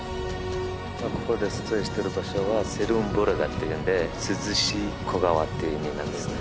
今ここで撮影してる場所はセルーンブラグっていうんで涼しい小川っていう意味なんですね